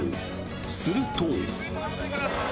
すると。